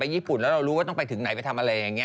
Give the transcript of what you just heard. ญี่ปุ่นแล้วเรารู้ว่าต้องไปถึงไหนไปทำอะไรอย่างนี้